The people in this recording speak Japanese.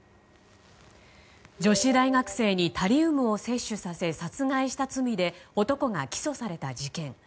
女子大学生にタリウムを摂取させ殺害した罪で男が起訴された事件。